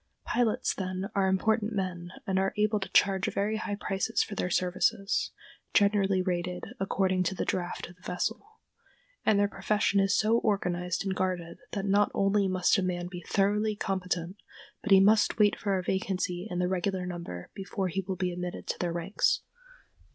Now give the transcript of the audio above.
] Pilots, then, are important men and are able to charge very high prices for their services (generally rated according to the draft of the vessel), and their profession is so organized and guarded that not only must a man be thoroughly competent, but he must wait for a vacancy in the regular number before he will be admitted to their ranks.